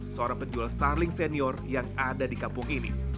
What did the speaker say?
seorang penjual starling senior yang ada di kampung ini